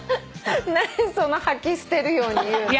何その吐き捨てるように言うの！？